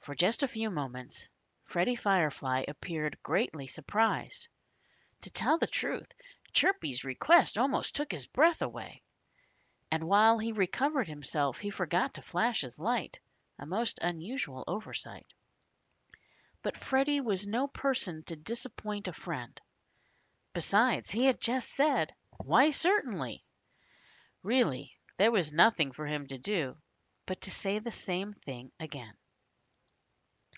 For just a few moments Freddy Firefly appeared greatly surprised. To tell the truth, Chirpy's request almost took his breath away. And while he recovered himself he forgot to flash his light a most unusual oversight. But Freddie was no person to disappoint a friend. Besides, he had just said, "Why, certainly!" Really, there was nothing for him to do but to say the same thing again.